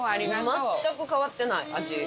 全く変わってない、味。